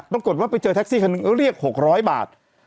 ปรากฏว่าไปเจอแท็กซี่คันหนึ่งเรียก๖๐๐บาท